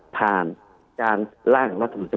ผ่านการล่างรัฐธรรมจบันใหม่